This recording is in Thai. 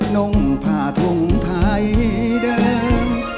งผ้าถุงไทยเดิม